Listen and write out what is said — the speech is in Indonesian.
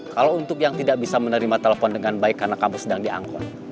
kalau untuk yang tidak bisa menerima telepon dengan baik karena kamu sedang diangkut